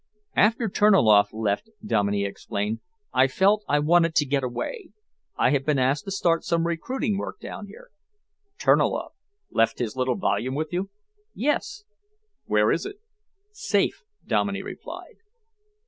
"After Terniloff left," Dominey explained, "I felt I wanted to get away. I have been asked to start some recruiting work down here." "Terniloff left his little volume with you?" "Yes!" "Where is it?" "Safe," Dominey replied.